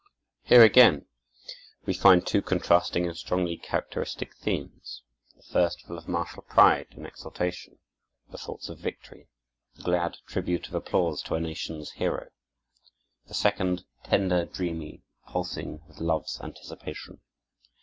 Here again we find two contrasting and strongly characteristic themes: The first, full of martial pride and exultation, the thoughts of victory, the glad tribute of applause to a nation's hero; the second, tender, dreamy, pulsing with love's anticipation.